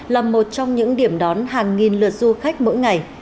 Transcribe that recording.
là một trong những điểm đón hàng nghìn lượt du khách mỗi ngày